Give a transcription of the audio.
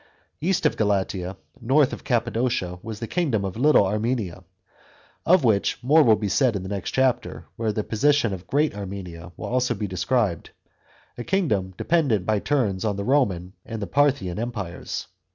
East of Galatia, north of Cappadocia, was the kingdom of Little Armenia, of which more will be said in the next chapter, where the position of Great Armenia will also be described, a kingdom dependent by turns on the Roman and the Parthian empires.